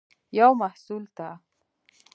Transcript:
یو محصول ته